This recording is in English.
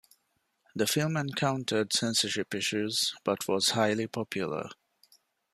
The film encountered censorship issues but was highly popular.